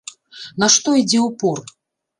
На што ідзе ўпор?